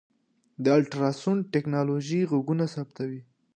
د الټراسونډ ټکنالوژۍ غږونه ثبتوي.